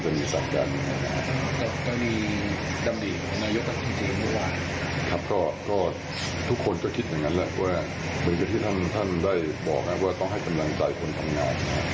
เหมือนกับที่ท่านได้บอกว่าต้องให้กำลังใจคนทำงาน